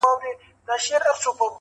زرافه چي په هر ځای کي وه ولاړه.!